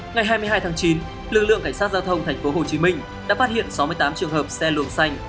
ngày hai mươi hai tháng chín lực lượng cảnh sát giao thông thành phố hồ chí minh đã phát hiện sáu mươi tám trường hợp xe luồng xanh